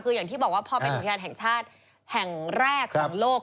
คืออย่างที่บอกว่าพอเป็นอุทยานแห่งชาติแห่งแรกของโลก